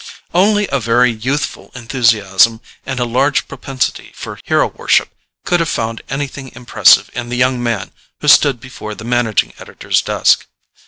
Only a very youthful enthusiasm and a large propensity for hero worship could have found anything impressive in the young man who stood before the managing editor's desk.